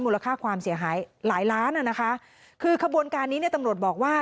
มูลค่าความเสียหายหลายล้านคือขบวนการนี้ตำรวจบอกว่า